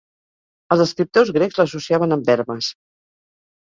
Els escriptors grecs l'associaven amb Hermes.